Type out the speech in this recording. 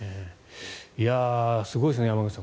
すごいですね、山口さん。